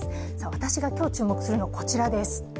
私が今日注目するのはこちらです。